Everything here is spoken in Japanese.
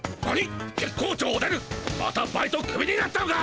またバイトクビになったのか。